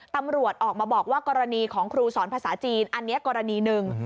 ตำรวจออกมาบอกว่ากรณีของครูสอนภาษาจีนอันนี้กรณีหนึ่ง